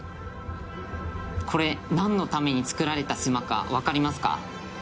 これなんのために作られた島かわかりますか？